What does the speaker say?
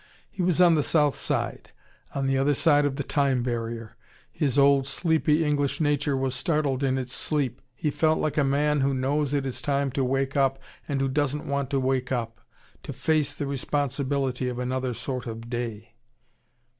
He was on the south side. On the other side of the time barrier. His old, sleepy English nature was startled in its sleep. He felt like a man who knows it is time to wake up, and who doesn't want to wake up, to face the responsibility of another sort of day.